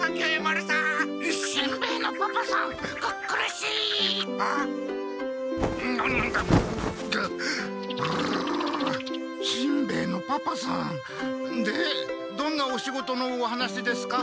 しんべヱのパパさんでどんなお仕事のお話ですか？